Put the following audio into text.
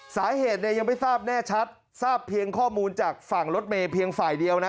สาเหตุเนี่ยยังไม่ทราบแน่ชัดทราบเพียงข้อมูลจากฝั่งรถเมย์เพียงฝ่ายเดียวนะ